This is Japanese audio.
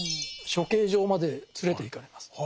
処刑場まで連れていかれます。